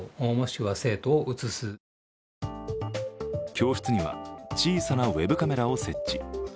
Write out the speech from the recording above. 教室には小さなウェブカメラを設置。